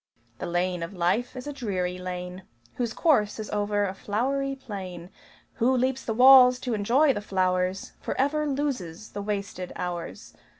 The lane of life is a dreary lane Whose course is over a flowery plain. Who leaps the walls to enjoy the flowers Forever loses the wasted hours.